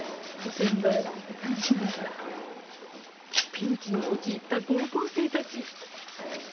ピンチに陥った高校生たち。